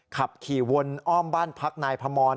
ขับขี่วนอ้อมบ้านพักนายพมร